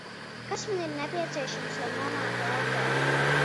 Kas man ir nepieciešams, lai nomātu auto?